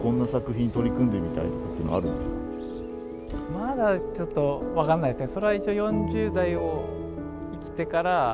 まだちょっと分からないですね。